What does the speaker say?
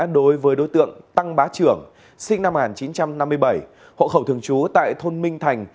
đối với đối tượng tăng bá trưởng sinh năm một nghìn chín trăm năm mươi bảy hộ khẩu thường trú tại thôn minh thành